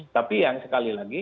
tapi yang sekali lagi